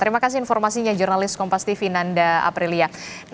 terima kasih informasinya jurnalis kompas tv nanda aprilia